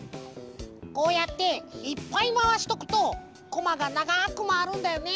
こうやっていっぱいまわしとくとこまがながくまわるんだよね。